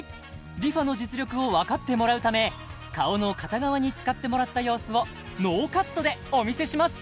ＲｅＦａの実力をわかってもらうため顔の片側に使ってもらった様子をノーカットでお見せします